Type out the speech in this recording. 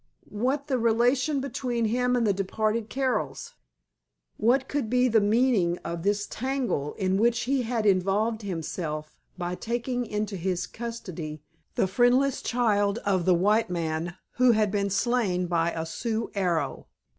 What the relation between him and the departed Carrolls? What could be the meaning of this tangle in which he had involved himself by taking into his custody the friendless child of the white man who had been slain by a Sioux arrow!